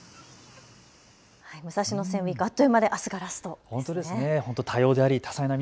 武蔵野線ウイーク、あっという間であすがラストですね。